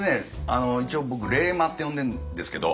一応僕「冷マ」って呼んでんですけど。